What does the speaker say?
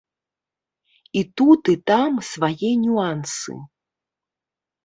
І тут, і там свае нюансы.